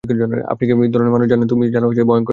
আপনি কি ধরনের মানুষ জানেন তুমি জানো তারা কেমন ভয়ংকর লোক।